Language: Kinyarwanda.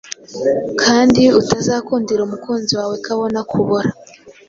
kandi utazakundira umukunzi wawe ko abona kubora.”